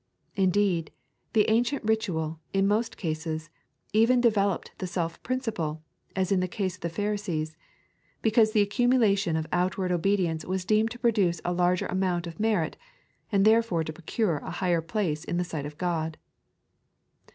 Indeed, the ancient ritual, in most cases, even developed the self principle, as in the case of the Pharisees ; because the accumulation of outward obedience was deemed to produce a larger amount of merit, and therefore to procure a higher place in the sight of God.